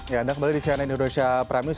ya anda kembali di cnn indonesia prime news